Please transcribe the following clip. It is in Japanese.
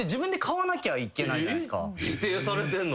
指定されてんのに？